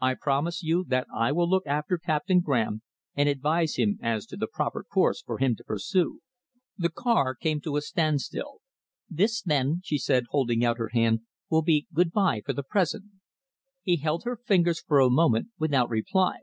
I promise you that I will look after Captain Graham and advise him as to the proper course for him to pursue." The car came to a standstill. "This then," she said, holding out her hand, "will be good by for the present." He held her fingers for a moment without reply.